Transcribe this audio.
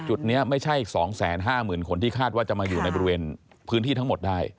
จุดนี้ไม่ใช่๒๕๐๐๐คนที่คาดว่าจะมาอยู่ในบริเวณพื้นที่ทั้งหมดได้